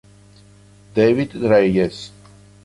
David Reyes